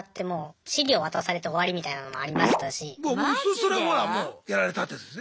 それはほらもうやられたってやつですね。